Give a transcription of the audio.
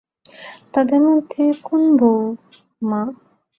তাদের মধ্যে কোন বৌ, মা?